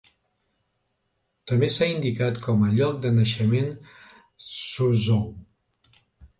També s'ha indicat com a lloc de naixement Suzhou.